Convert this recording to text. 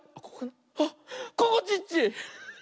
あっここちっち！